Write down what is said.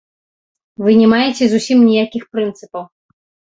Вы не маеце зусім ніякіх прынцыпаў.